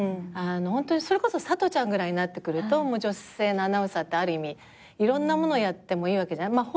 ホントにそれこそサトちゃんぐらいになってくると女性のアナウンサーってある意味いろんなものやってもいいわけじゃん？